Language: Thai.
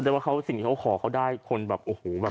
ว่าสิ่งที่เขาขอเขาได้คนแบบโอ้โหแบบ